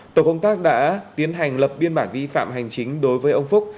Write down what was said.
tổ công tác đã tiến hành lập biên bản vi phạm hành chính đối với ông phúc